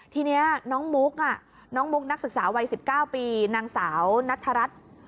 ทีนี้น้องมุ๊กนักศึกษาวัย๑๙ปีนางสาวณัฐรัฐ